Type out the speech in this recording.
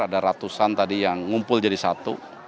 ada ratusan tadi yang ngumpul jadi satu